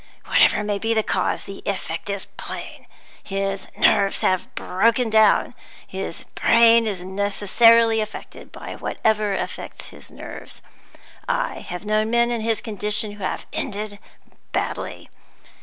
Whatever may be the cause, the effect is plain his nerves have broken down, and his brain is necessarily affected by whatever affects his nerves. I have known men in his condition who have ended badly.